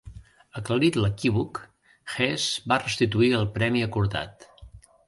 Aclarit l'equívoc, Hesse va restituir el premi acordat.